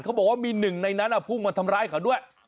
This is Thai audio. เขาบอกว่ามีหนึ่งในนั้นพุ่งมาทำร้ายเขาด้วย